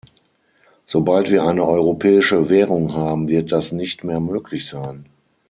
Sobald wir eine europäische Währung haben, wird das nicht mehr möglich sein.